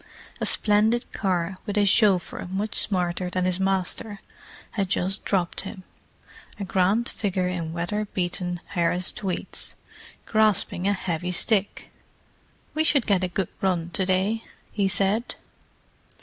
A splendid car, with a chauffeur much smarter than his master, had just dropped him: a grant figure in weatherbeaten Harris tweeds, grasping a heavy stick. "We should get a good run to day," he said.